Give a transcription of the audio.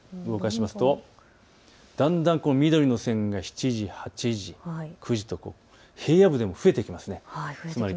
動かしますと、だんだん緑の線が７時、８時、９時と平野部でも増えてきます。